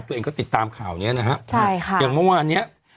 ตัวเองก็ติดตามข่าวเนี้ยนะฮะใช่ค่ะอย่างเมื่อวานเนี้ย